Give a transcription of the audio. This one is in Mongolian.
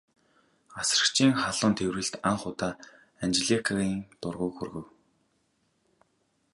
Асрагчийн халуун тэврэлт анх удаа Анжеликагийн дургүйг хүргэв.